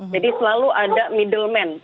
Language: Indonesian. jadi selalu ada middleman